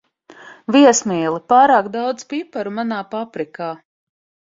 Viesmīli, pārāk daudz piparu manā paprikā.